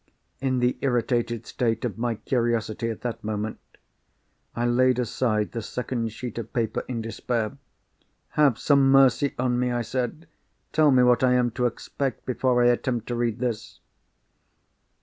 In the irritated state of my curiosity, at that moment, I laid aside the second sheet of paper in despair. "Have some mercy on me!" I said. "Tell me what I am to expect, before I attempt to read this."